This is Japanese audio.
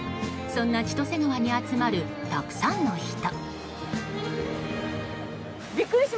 そんな千歳川に集まるたくさんの人。